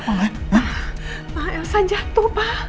ma elsa jatuh pa